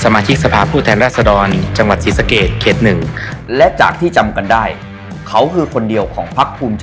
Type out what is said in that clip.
สมาทิสภาพผู้แทนราษฎร์จังหวัดศรีสเกษ